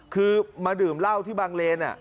คือมาดื่มเหล้าที่บางเลน